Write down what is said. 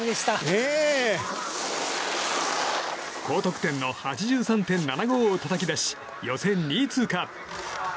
高得点の８３．７５をたたき出し予選２位通過。